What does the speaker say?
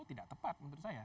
tidak tepat menurut saya